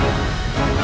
aku ingin mencintaimu